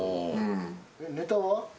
ネタは？